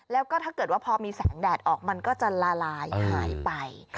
แล้วก็ถ้าเกิดว่าพอมีแสงแดดออกมันก็จะละลายหายไป